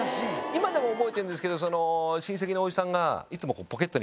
今でも覚えてるんですけど親戚のおじさんがいつも。